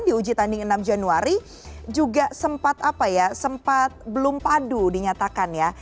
di uji tanding enam januari juga sempat apa ya sempat belum padu dinyatakan ya